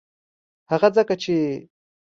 هغه ځکه چې